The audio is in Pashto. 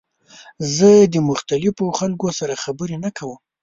زه د مختلفو خلکو سره خبرې نه کوم.